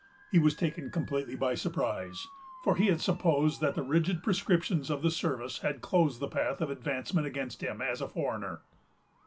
He was taken completely by surprise; for he had supposed that the rigid prescriptions of the service had closed the path of advancement against him, as a foreigner.